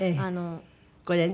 これね。